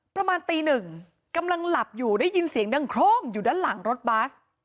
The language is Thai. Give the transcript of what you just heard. ประมาณตีหนึ่งกำลังหลับอยู่ได้ยินเสียงดังโครมอยู่ด้านหลังรถบัส